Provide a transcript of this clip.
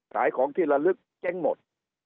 ขายของที่ละลึกเจ๊งหมด